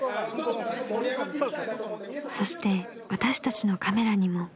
［そして私たちのカメラにも］